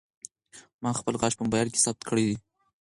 ما خپل غږ په موبایل کې ثبت کړی دی.